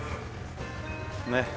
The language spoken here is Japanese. ねっ。